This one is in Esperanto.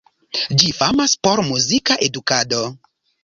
Ĝi famas por muzika edukado.